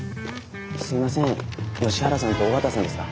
すいません吉原さんと尾形さんですか？